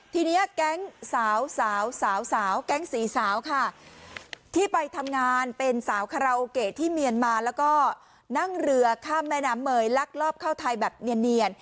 ทีนี้แก๊งสาวสาวแก๊งสี่สาวค่ะที่ไปทำงานเป็นสาวคาราโอเกะที่เมียนมาแล้วก็นั่งเรือข้ามแม่น้ำเมยลักลอบเข้าไทยแบบเนียน